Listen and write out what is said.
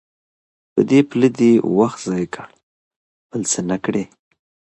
په دې پله دي وخت ضایع کړ بل څه نه کړې